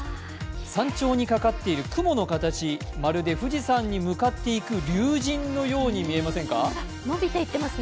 山頂にかかっている雲の形、まるで富士山に向かっていく龍神のように見えませんか？